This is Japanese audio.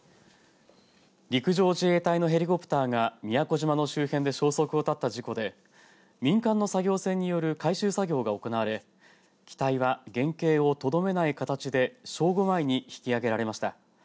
陸上自衛隊のヘリコプターが宮古島の周辺で消息を絶った事故で民間の作業船による回収作業が行われ機体は原形をとどめない形で正午前に引きあげられました。